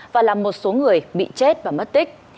và làm một số người bị chết và mất tích